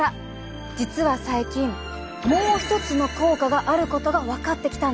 実は最近もう一つの効果があることが分かってきたんです。